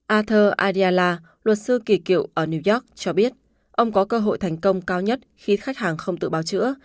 arthur adiala luật sư kỳ cựu ở new york cho biết ông có cơ hội thành công cao nhất khi khách hàng không tự bào chữa